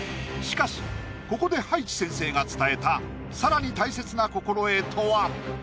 しかしここで葉一先生が伝えた更に大切な心得とは⁉